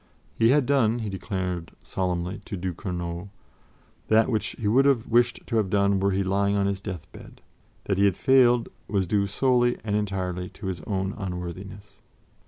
He had done, he declared solemnly to du Courneau, that which he would have wished to have done were he lying on his deathbed; that he had failed was due solely and entirely to his own unworthiness.